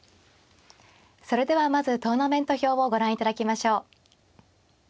それではまずトーナメント表をご覧いただきましょう。